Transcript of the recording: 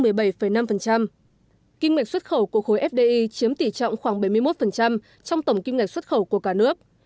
kinh nguyện xuất khẩu của khối fdi chiếm tỷ trọng khoảng bảy mươi một trong tổng kinh nguyện xuất khẩu của cả nước